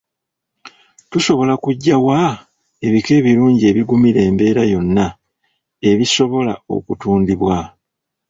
Tusobola kugyawa ebika ebirungi ebigumira embeera yonna ebisobola okutundibwa?